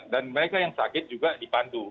dan mereka yang sakit juga dipandu